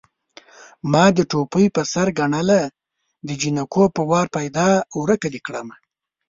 ما دې ټوپۍ په سر ګڼله د جنکو په وار پيدا ورکه دې کړمه